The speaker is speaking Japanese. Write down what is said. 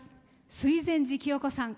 水前寺清子さん